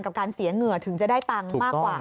กับการเสียเหงื่อถึงจะได้ตังค์มากกว่า